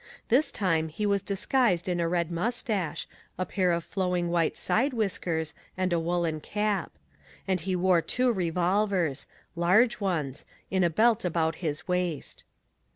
This time he was disguised in a red mustache, a pair of flowing white side whiskers, and a woolen cap. And he wore two revolvers large ones in a belt about his waist.